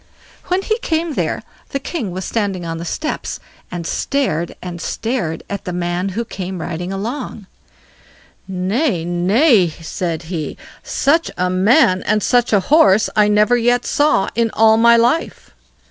When he came there the king was standing on the steps, and stared and stared at the man who came riding along. "Nay, nay!", said he, "such a man and such a horse I never yet saw in all my life."